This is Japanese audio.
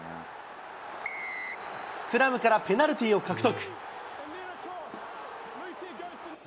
スクラムからペナルティーを獲得。